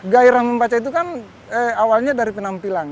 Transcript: gairah membaca itu kan awalnya dari penampilan